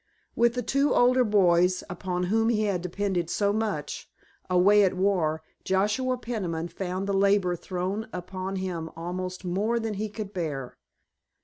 With the two older boys, upon whom he had depended so much, away at war, Joshua Peniman found the labor thrown upon him almost more than he could bear.